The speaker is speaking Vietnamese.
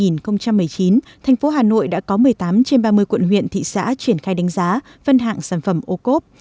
năm hai nghìn một mươi chín thành phố hà nội đã có một mươi tám trên ba mươi quận huyện thị xã triển khai đánh giá phân hạng sản phẩm ô cốp